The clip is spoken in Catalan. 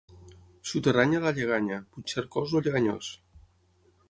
Suterranya, la lleganya. Puigcercós, el lleganyós.